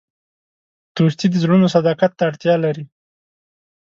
دوستي د زړونو صداقت ته اړتیا لري.